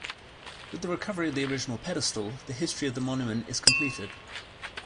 With the recovery of the original pedestal the history of the Monument is completed.